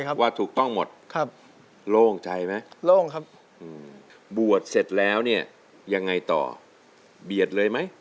อย่าทบใจคนจบ